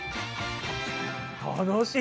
楽しい。